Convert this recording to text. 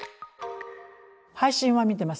配信は見てます。